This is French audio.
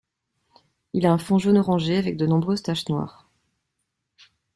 Il a un fond jaune orangé avec de nombreuses taches noires.